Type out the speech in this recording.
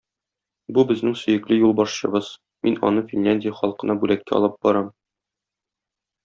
Бу безнең сөекле юлбашчыбыз, мин аны Финляндия халкына бүләккә алып барам.